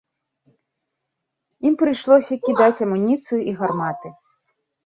Ім прыйшлося кідаць амуніцыю і гарматы.